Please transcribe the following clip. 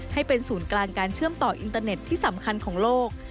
ให้เป็นศูนย์กลางการเชื่อมต่ออินเตอร์เน็ตที่สำคัญของโลก